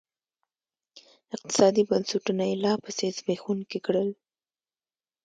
اقتصادي بنسټونه یې لاپسې زبېښونکي کړل.